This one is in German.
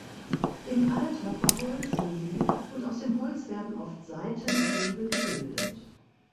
Im Alter verholzen sie und aus dem Holz werden oft Seitentriebe gebildet.